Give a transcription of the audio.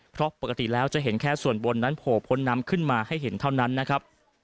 เพราะปกติแล้วจะเห็นแค่ส่วนบนนั้นโผล่พ้นน้ำขึ้นมาให้เห็นเท่านั้นนะครับ